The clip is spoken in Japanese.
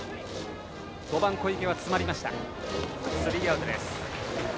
５番、小池は詰まりましてスリーアウトです。